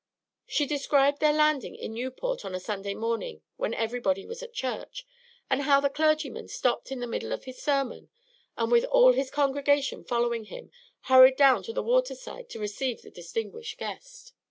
She described their landing in Newport on a Sunday morning when everybody was at church, and how the clergyman stopped in the middle of his sermon, and with all his congregation following him, hurried down to the water side to receive the distinguished guest.